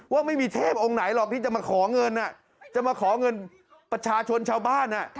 ว่าไม่มีเทพองค์ไหนหรอกที่จะมาขอเงินจะมาขอเงินประชาชนชาวบ้าน